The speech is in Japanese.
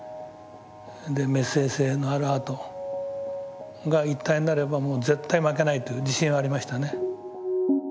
でメッセージ性のあるアートが一体になればもう絶対負けないという自信はありましたね。